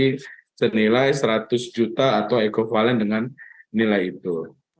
jadi senilai rp seratus juta atau ekopalan dengan nilai itu